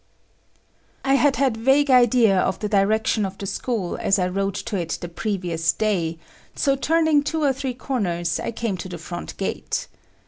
I had had vague idea of the direction of the school as I rode to it the previous day, so turning two or three corners, I came to the front gate.